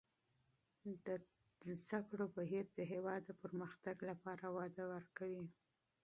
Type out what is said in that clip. د تعلیم بهیر د هېواد د پرمختګ لپاره وده ورکوي.